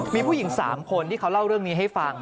มีผู้หญิง๓คนที่เขาเล่าเรื่องนี้ให้ฟัง